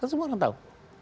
kan semua orang tau